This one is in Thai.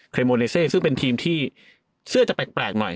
เครมโมเนเซซึ่งเป็นทีมที่เชื่ออาจจะแปลกหน่อย